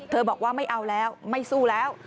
บอกว่าไม่เอาแล้วไม่สู้แล้ว